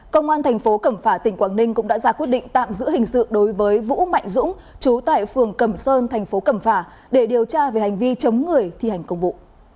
công an thành phố cẩm phả tỉnh quảng ninh cũng đã ra quyết định tạm giữ hình sự đối với vũ mạnh dũng chú tại phường cẩm sơn thành phố cẩm phả để điều tra về hành vi chống người thi hành công vụ